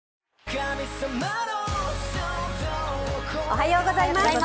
おはようございます。